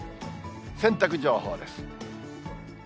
洗濯情報です。